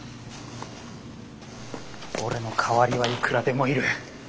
俺の代わりはいくらでもいる。